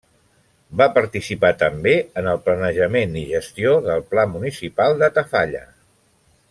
Va participar també en el planejament i gestió del Pla Municipal de Tafalla.